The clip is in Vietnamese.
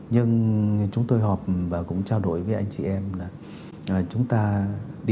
nhưng chúng tôi họp và cũng trao đổi với anh chị em là chúng ta đi đến cùng đề tài